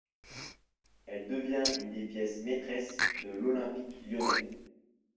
Elle devient une des pièces maîtresses de l'Olympique lyonnais.